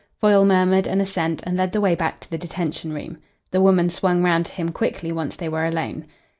Foyle murmured an assent and led the way back to the detention room. The woman swung round to him quickly once they were alone.